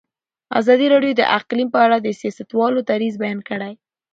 ازادي راډیو د اقلیم په اړه د سیاستوالو دریځ بیان کړی.